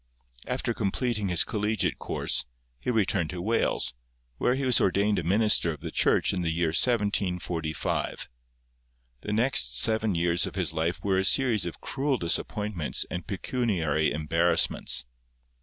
After completing his collegiate course, he returned to Wales, where he was ordained a minster of the Church in the year 1745. The next seven years of his life were a series of cruel disappointments and pecuniary embarrassments.